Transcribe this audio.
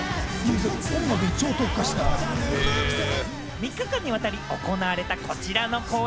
３日間にわたり行われたこちらの公演！